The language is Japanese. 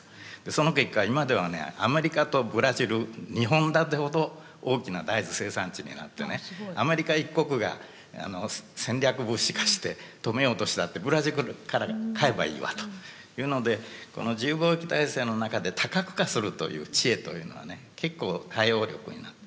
その結果今ではねアメリカとブラジル２本立ての大きな大豆生産地になってねアメリカ１国が戦略物資化して止めようとしたって「ブラジルから買えばいいわ」というのでこの自由貿易体制の中で多角化するという知恵というのはね結構対応力になる。